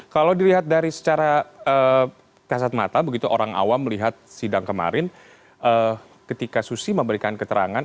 kalau dilihat dari secara kasat mata begitu orang awam melihat sidang kemarin ketika susi memberikan keterangan